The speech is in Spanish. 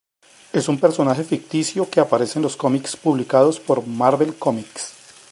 Es un personaje ficticio que aparece en los cómics publicados por Marvel Comics.